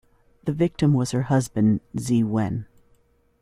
The victim was her husband Zi Wen.